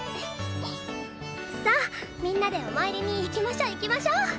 さあみんなでお参りに行きましょ行きましょ！